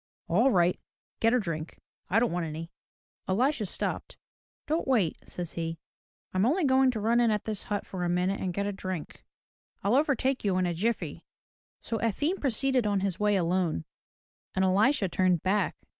"All right. Get a drink. I don't want any." Elisha stopped. "Don't wait," says he. "I'm only going to run in at this hut for a minute and get a drink. I'll overtake you in a jiffy." So Efim proceeded on his way alone, and Elisha turned back.